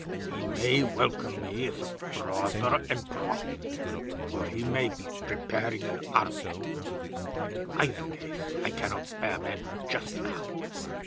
He may welcome me as a brother Emperor, or he may be preparing an army. In either case I cannot spare men just now."